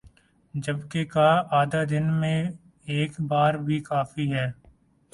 جبکہ کا اعادہ دن میں ایک بار بھی کافی ہے